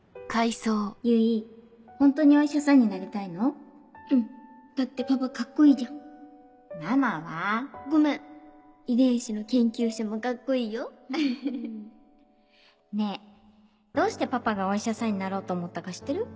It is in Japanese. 唯ホントにお医者うんだってパパカッコいいじゃん遺伝子の研究者もカッコいいよウフフねぇどうしてパパがお医者さんになろうと思ったか知ってる？